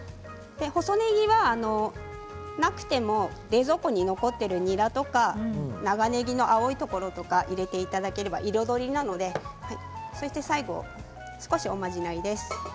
細ねぎはなくても冷蔵庫に残っているニラとか長ねぎの青いところとか入れていただければ彩りなのでそして最後少し、おまじないです。